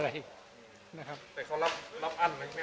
หมายถึงเขารับอั้นหรือไม่อั้น